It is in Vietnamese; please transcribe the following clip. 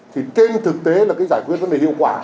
thì trên thực tế là cái giải quyết rất là hiệu quả